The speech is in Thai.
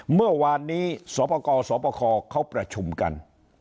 เมื่อวานนี้สปกสปคเขาประชุมกัน